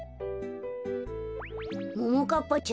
ももかっぱちゃ